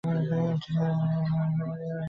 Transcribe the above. একটা ছেলে, যে মানুষ হওয়ার জন্য মরিয়া হয়ে উঠেছিল।